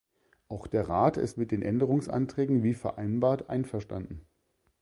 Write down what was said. Auch der Rat ist mit den Änderungsanträgen wie vereinbart einverstanden.